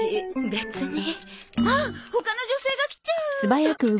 ああ他の女性が来ちゃう。